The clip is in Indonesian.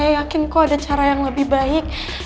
karena saya yakin kok ada cara yang lebih baik